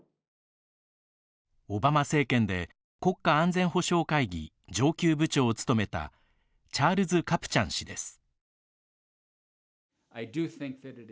オバマ政権で国家安全保障会議上級部長を務めたチャールズ・カプチャン氏です。